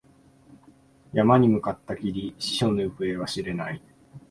山に向かったきり、師匠の行方は知れない。